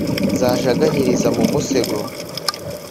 Zajaganyiriza mu musego